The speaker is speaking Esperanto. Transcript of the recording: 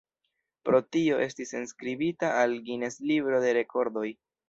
Pro tio estis enskribita al Guinness-libro de rekordoj.